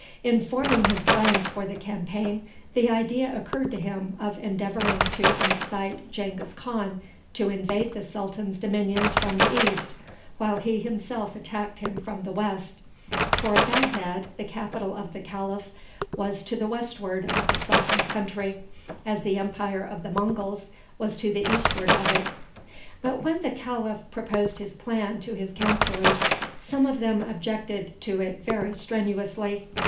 In forming his plans for the campaign, the idea occurred to him of endeavoring to incite Genghis Khan to invade the sultan's dominions from the east while he himself attacked him from the west; for Bagdad, the capital of the calif, was to the westward of the sultan's country, as the empire of the Monguls was to the eastward of it. But when the calif proposed his plan to his counselors, some of them objected to it very strenuously.